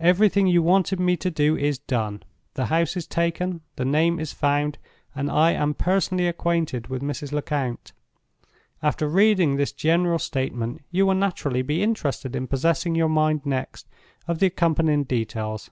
"Everything you wanted me to do is done. The house is taken; the name is found; and I am personally acquainted with Mrs. Lecount. After reading this general statement, you will naturally be interested in possessing your mind next of the accompanying details.